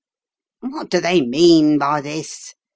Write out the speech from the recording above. " What do they mean by this